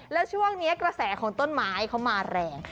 แล้วช่วงนี้กระแสของต้นไม้เขามาแรง